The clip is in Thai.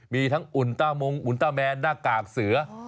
มีทั้งอุ่นต้ามงอุ่นต้าแมนหน้ากากเสือ